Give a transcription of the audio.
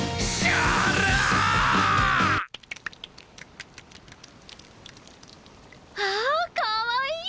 わあかわいい！